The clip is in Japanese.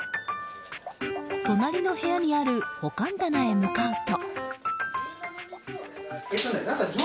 隣の部屋にある保管棚へ向かうと。